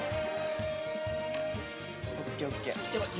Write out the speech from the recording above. ＯＫＯＫ！